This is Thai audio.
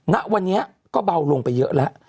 ณวันนี้ก็เบาลงไปเยอะแล้ว